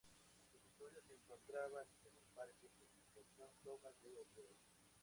Sus estudios se encontraban en el Parque Purificación Tomás de Oviedo.